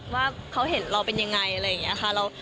ว่าเขาเห็นเราเป็นยังไงอะไรอย่างนี้ค่ะ